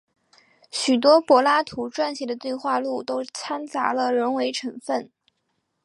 许多柏拉图撰写的对话录都参杂了人为成分。